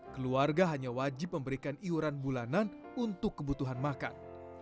keluarga hanya wajib memberikan iuran bulanan untuk kebutuhan makan